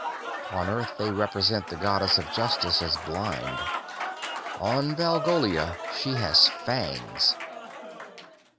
On Earth they represent the goddess of justice as blind. On Valgolia she has fangs.